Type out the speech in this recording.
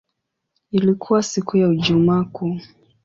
Ilikuwa siku ya Ijumaa Kuu.